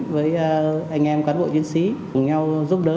với anh em cán bộ chiến sĩ cùng nhau giúp đỡ